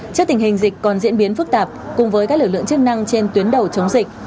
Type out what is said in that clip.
trước tình hình dịch còn diễn biến phức tạp cùng với các lực lượng chức năng trên tuyến đầu chống dịch